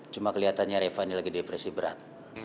cuma kelihatannya reva ini lagi depresi berat